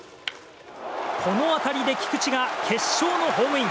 この当たりで菊池が決勝のホームイン。